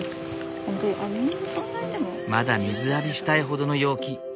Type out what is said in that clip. まだ水浴びしたいほどの陽気。